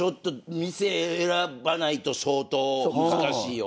店選ばないと相当難しいよ。